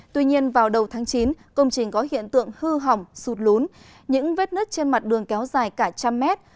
tuy nhiên vào đầu tháng chín công trình có hiện tượng hư hỏng sụt lún những vết nứt trên mặt đường kéo dài cả trăm mét